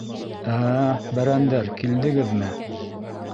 — Ә-ә-ә, бәрәндәр, килдегеҙме!